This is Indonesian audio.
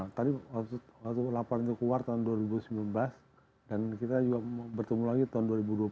tadi waktu laporan itu keluar tahun dua ribu sembilan belas dan kita juga bertemu lagi tahun dua ribu dua puluh